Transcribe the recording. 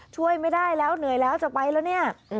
ช่วยไม่ได้แล้วเหนื่อยแล้วจะไปแล้วเนี่ย